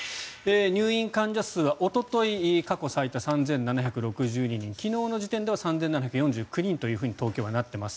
入院患者数はおととい過去最多の３７６２人昨日の時点では３７４９人というふうに東京はなっています。